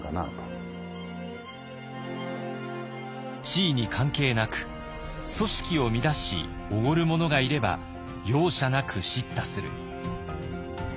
地位に関係なく組織を乱しおごる者がいれば容赦なく叱咤する。